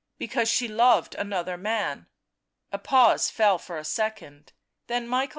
" Because she loved another man." A pause fell for a second, then Michael II.